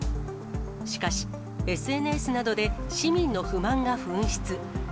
しかし、ＳＮＳなどで市民の不満が噴出。